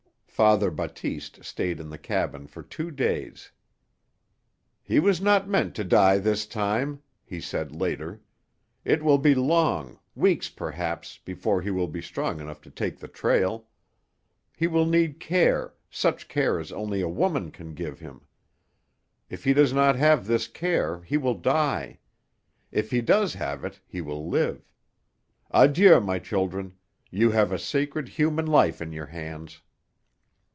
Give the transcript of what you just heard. Father Batiste stayed in the cabin for two days. "He was not meant to die this time," he said later. "It will be long—weeks perhaps—before he will be strong enough to take the trail. He will need care, such care as only a woman can give him. If he does not have this care he will die. If he does have it he will live. Adieu, my children; you have a sacred, human life in your hands."